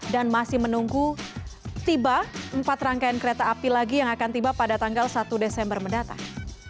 dan masih menunggu tiba empat rangkaian kereta api lagi yang akan tiba pada tanggal satu desember mendatang